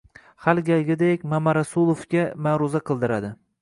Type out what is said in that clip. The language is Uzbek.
Har galgidek Mamarasulovga ma`ruza qildiradi